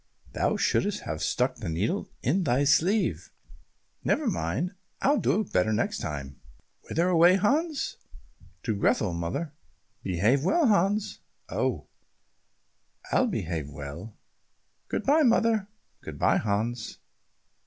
Thou shouldst have stuck the needle in thy sleeve." "Never mind, I'll do better next time." "Whither away, Hans?" "To Grethel, mother." "Behave well, Hans." "Oh, I'll behave well. Good bye, mother." "Good bye, Hans."